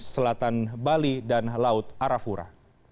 selatan bali dan laut arafura